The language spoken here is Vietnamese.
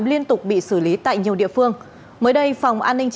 liên tục bị xử lý tại nhiều địa phương